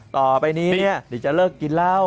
ต่อไปนี้เนี่ยนี่จะเลิกกินแล้ว